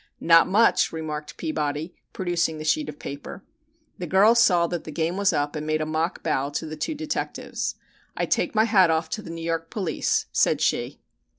"Not much," remarked Peabody, producing the sheet of paper. The girl saw that the game was up and made a mock bow to the two detectives. "I take off my hat to the New York police," said she.